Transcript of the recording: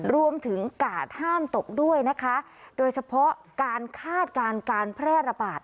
รวมถึงกาดห้ามตกด้วยนะคะโดยเฉพาะการคาดการณ์การแพร่ระบาด